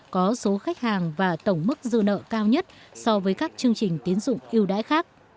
có số khách hàng và tổng mức dư nợ cao nhất so với các chương trình tiến dụng yêu đái khác